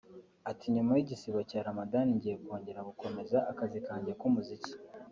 Ati “Nyuma y’igisibo cya Ramadhan ngiye kongera gukomeza akazi kanjye k’umuziki